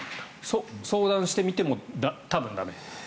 相談してみても多分、駄目？